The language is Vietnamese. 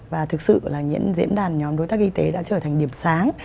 và thực sự là những diễn đàn nhóm đối tác y tế đã trở thành điểm sáng